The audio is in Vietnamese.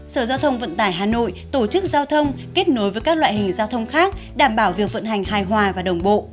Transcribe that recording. sở giao thông vận tải hà nội tổ chức giao thông kết nối với các loại hình giao thông khác đảm bảo việc vận hành hài hòa và đồng bộ